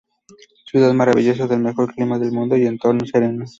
Ciudad maravillosa, del mejor clima del Mundo y entorno sereno.